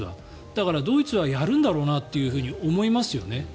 ドイツはやるんだろうなって思いますよね。